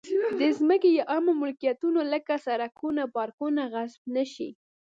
د ځمکې یا عامه ملکیتونو لکه سړکونه او پارکونه غصب نه شي.